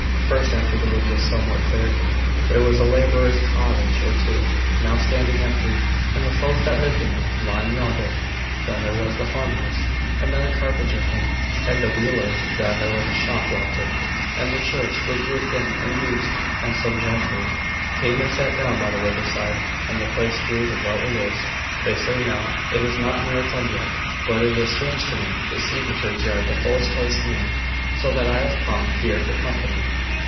First, after the wood was somewhat cleared, there was a labourer's cottage or two now standing empty, and the folk that lived in them lying yonder. Then there was the farmhouse; and then a carpenter came, and a wheeler. Then there was a shop wanted; and the church was roofed in and used: and some gentry came and sat down by the river side; and the place grew to what it is. They say now, it is not near its end yet: but it is strange to me to see the churchyard the fullest place near, so that I have to come here for company."